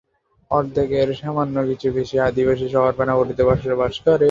অর্ধেকের সামান্য কিছু বেশি অধিবাসী শহর বা নগরীতে বাস করে।